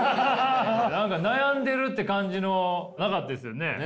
何か悩んでるって感じのなかったですよね？